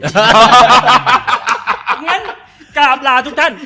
งั้นกราบลาทุกท่าน